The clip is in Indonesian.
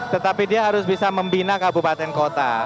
tetapi dia harus bisa membina kabupaten kota